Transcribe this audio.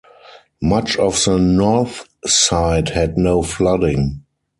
Much of the north side had no flooding.